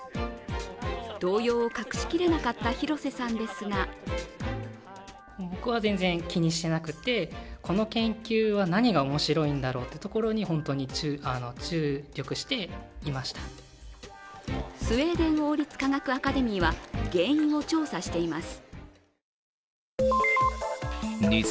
動揺を隠しきれなかった廣瀬さんですがスウェーデン王立科学アカデミーは原因を調査しています。